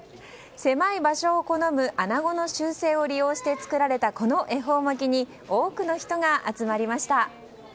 狭い場所を好む、アナゴの習性を利用して作られたこの恵方巻きに多くの人が集まりました。